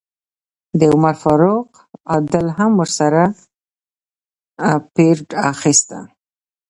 د عمر فاروق عادل هم ورسره پیرډ اخیسته.